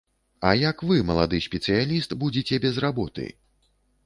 А як вы, малады спецыяліст, будзеце без работы?